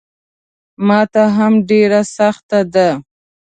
ماته هم ډېره سخته ده.